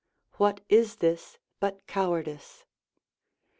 What is this but cowardice?